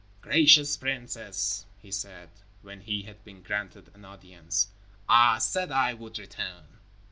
"Gracious princess," he said, when he had been granted an audience. "I said I would return."